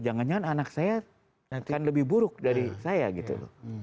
jangan jangan anak saya akan lebih buruk dari saya gitu loh